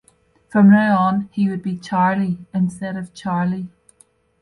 From now on, he would be "Charly" instead of "Charlie".